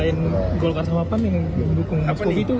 pas lain golkar samapan yang dukung mbak jokowi itu